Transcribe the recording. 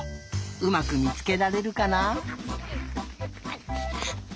うまくみつけられるかな？